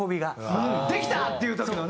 できた！っていう時のね。